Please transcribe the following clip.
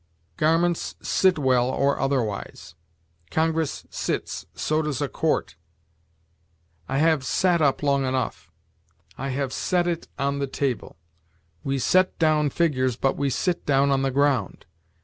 Garments sit well or otherwise. Congress sits, so does a court. "I have sat up long enough." "I have set it on the table." We set down figures, but we sit down on the ground.